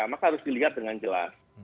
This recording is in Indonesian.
maka harus dilihat dengan jelas